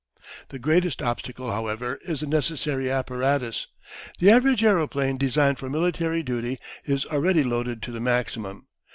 The greatest obstacle, however, is the necessary apparatus. The average aeroplane designed for military duty is already loaded to the maximum.